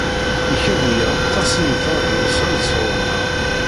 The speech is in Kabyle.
Ikad-iyi aṭas i yettraju Mesεud sɣur-neɣ.